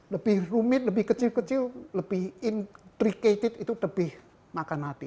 lebih rumit lebih kecil kecil lebih intricated itu lebih makan hati